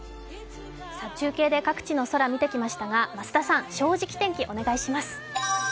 中継で各地の空見てきましたが増田さん、「正直天気」、お願いします。